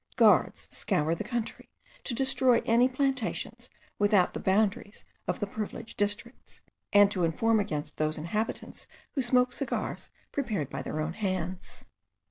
Guards scour the country, to destroy any plantations without the boundaries of the privileged districts; and to inform against those inhabitants who smoke cigars prepared by their own hands.